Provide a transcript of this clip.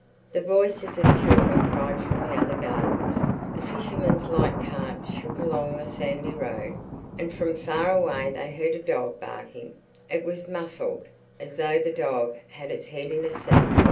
The voices of children cried from the other gardens. A fisherman's light cart shook along the sandy road, and from far away they heard a dog barking; it was muffled as though the dog had its head in a sack.